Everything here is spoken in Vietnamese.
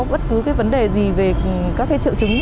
bất cứ vấn đề gì về các triệu chứng